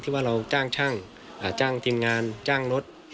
ว่าเราจ้างช่างจ้างทีมงานจ้างรถ